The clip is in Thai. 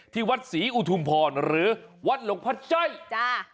ที่วัดศรีอุทุมพรหรือวัดหลงพระเจ้า